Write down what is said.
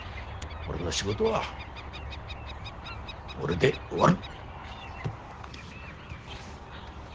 俺の仕事は俺で終わる！